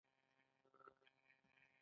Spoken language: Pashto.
آیا له وخت مخکې لو کول دانې ته زیان رسوي؟